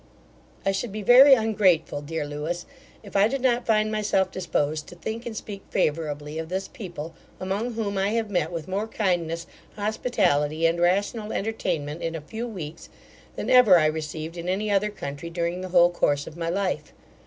I should be very ungrateful, dear Lewis, if I did not find myself disposed to think and speak favourably of this people, among whom I have met with more kindness, hospitality, and rational entertainment, in a few weeks, than ever I received in any other country during the whole course of my life.